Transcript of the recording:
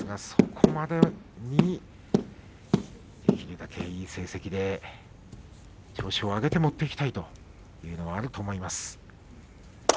そこまでにできるだけいい成績で調子を上げて持っていきたいというのはあると思います。